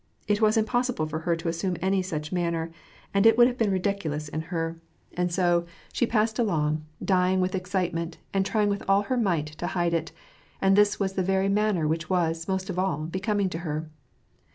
It was impossible for her to assume any such manner, and it would have been ridiculous in her ; and 202 WAR AND PEACE. • so she passed along, dying with excitement, and trying with all her might to hide it ; and this was the very manner which was, most of all^ hecoming to her.